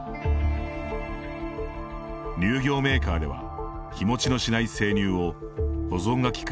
乳業メーカーでは日持ちのしない生乳を保存が利く